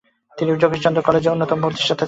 তিনি যোগেশচন্দ্র কলেজেরও অন্যতম প্রতিষ্ঠাতা ছিলেন ।